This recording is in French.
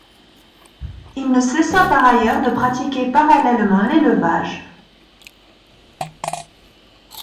Il ne cessa par ailleurs de pratiquer parallèlement l’élevage.